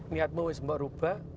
niatmu bu risma berubah